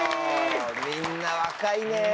みんな若いね。